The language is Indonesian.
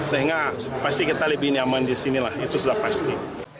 sehingga pasti kita lebih nyaman di sini lah itu sudah pasti